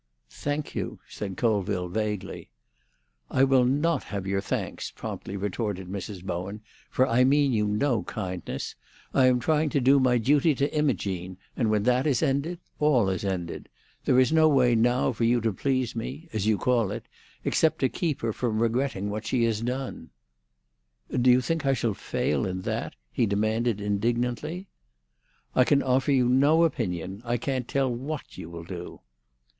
"Thank you," said Colville vaguely. "I will not have your thanks," promptly retorted Mrs. Bowen, "for I mean you no kindness. I am trying to do my duty to Imogene, and when that is ended, all is ended. There is no way now for you to please me—as you call it—except to keep her from regretting what she has done." "Do you think I shall fail in that?" he demanded indignantly. "I can offer you no opinion. I can't tell what you will do."